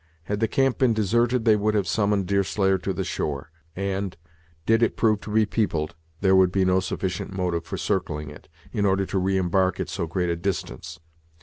Had the camp been deserted they would have summoned Deerslayer to the shore, and, did it prove to be peopled, there could be no sufficient motive for circling it, in order to re embark at so great a distance.